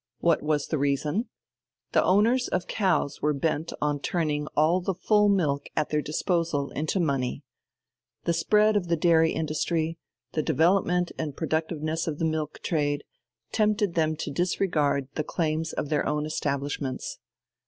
What was the reason? The owners of cows were bent on turning all the full milk at their disposal into money. The spread of the dairy industry, the development and productiveness of the milk trade, tempted them to disregard the claims of their own establishments.